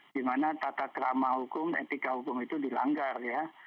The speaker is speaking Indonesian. dimana tata kerama hukum etika hukum itu dilanggar ya